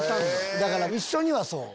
だから一緒にはそう。